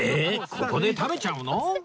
ここで食べちゃうの？